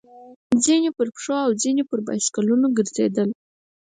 ځينې به په پښو او ځينې پر بایسکلونو ګرځېدل.